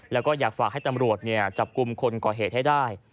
แล้วก็อยากฝากให้ตำรวจจับกลุ่มคนก่อเหตุให้ได้